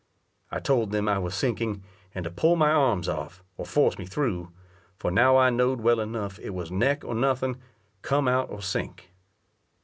I told them I was sinking, and to pull my arms off, or force me through, for now I know'd well enough it was neck or nothing, come out or sink.